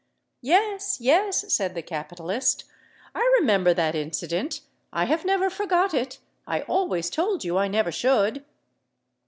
"Yes—yes," said the capitalist: "I remember that incident—I have never forgot it—I always told you I never should."